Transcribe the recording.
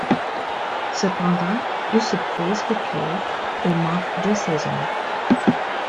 Cependant, il se brise le pied et manque deux saisons.